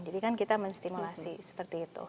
jadi kan kita menstimulasi seperti itu